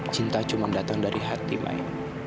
cinta cuma datang dari hati main